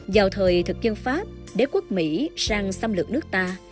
dào thời thực dân pháp đế quốc mỹ sang xâm lược nước ta